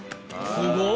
すごい！